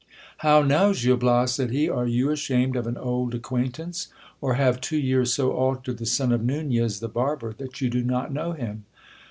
How now, Gil Bias, said he, are you ashamed of an old acquaintance ? or have two years so altered the son of Nunez the barber, that you do not know him